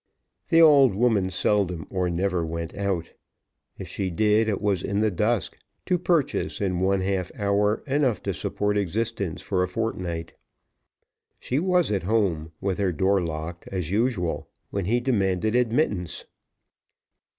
The old woman seldom or ever went out; if she did, it was in the dusk, to purchase in one half hour enough to support existence for a fortnight. She was at home with her door locked, as usual, when he demanded admittance.